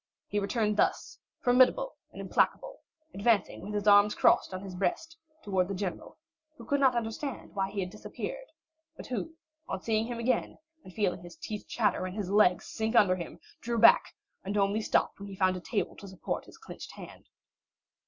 He returned thus, formidable and implacable, advancing with his arms crossed on his breast, towards the general, who could not understand why he had disappeared, but who on seeing him again, and feeling his teeth chatter and his legs sink under him, drew back, and only stopped when he found a table to support his clenched hand.